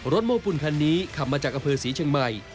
โมปุ่นคันนี้ขับมาจากอำเภอศรีเชียงใหม่